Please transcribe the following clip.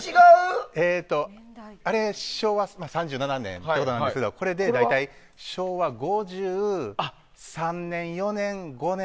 あれ、昭和３７年ってことなんですけどこれ、大体昭和５３年、５４年、５５年。